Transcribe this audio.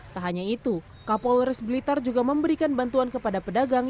tak hanya itu kapolres blitar juga memberikan bantuan kepada pedagang